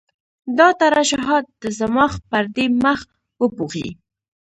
دا ترشحات د صماخ پردې مخ وپوښي.